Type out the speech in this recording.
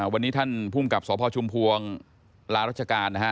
วันนี้ท่านภูมิกับสพชุมพวงลารัชการนะฮะ